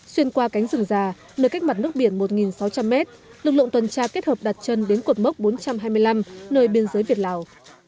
xuyên qua cánh rừng già nơi cách mặt nước biển một sáu trăm linh mét lực lượng tuần tra kết hợp đặt chân đến cột mốc bốn trăm hai mươi năm nơi biên giới việt lào